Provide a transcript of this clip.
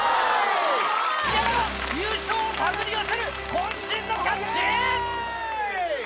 宮川優勝を手繰り寄せる渾身のキャッチ！